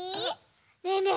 ねえねえ